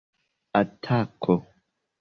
atako